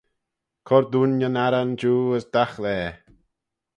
Cur dooin nyn arran jiu as dagh laa.